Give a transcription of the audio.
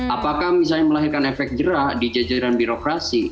apakah misalnya melahirkan efek jerah di jajaran birokrasi